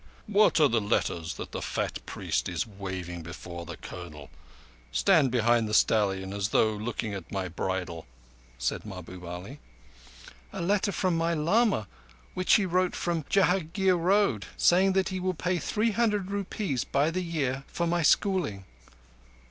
"What are the letters that the fat priest is waving before the Colonel? Stand behind the stallion as though looking at my bridle!" said Mahbub Ali. "A letter from my lama which he wrote from Jagadhir Road, saying that he will pay three hundred rupees by the year for my schooling."